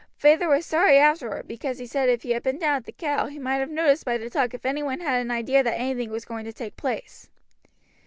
Feyther was sorry afterward, because he said if he had been down at the 'Cow' he might have noticed by the talk if any one had an idea that anything was going to take place."